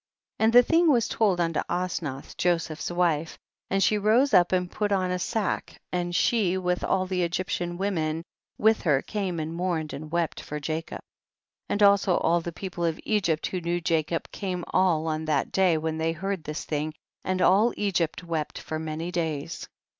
26. And the thing was told unto Osnath Joseph's wife, and she rose up and put on a sack and she with all the Egyptian women with her came and mourned and wept for Jacob. 27. And also all the people of Egypt who knew Jacob came all on that day when they heard this thing, and all Egypt wept for many days.